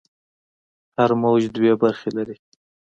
هر موج دوې برخې لري.